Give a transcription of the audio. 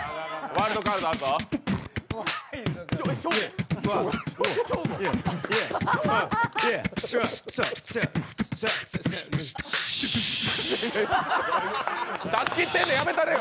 ワールドカードあるぞ。